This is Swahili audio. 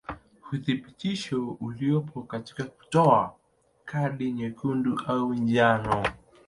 Uthibitisho uliopo katika kutoa kadi nyekundu au ya njano.